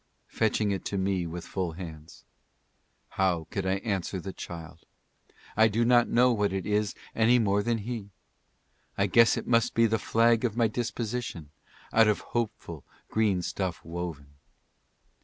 fetching it to me with full hands; How could I answer the child ? I do not know what it is any more than he. "I guess it must be the flag of my disposition, out of hopeful green stuff woven.